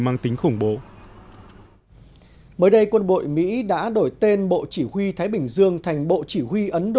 mang tính khủng bố mới đây quân bội mỹ đã đổi tên bộ chỉ huy thái bình dương thành bộ chỉ huy